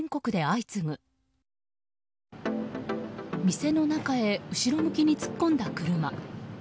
店の中へ後ろ向きに突っ込んだ車。